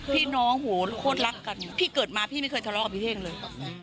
พี่น้องโหดรักกันพี่เกิดมาพี่ไม่เคยทะเลาะกับพี่เท่งเลย